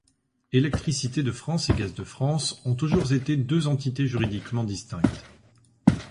Électricité de France et Gaz de France ont toujours été deux entités juridiquement distinctes.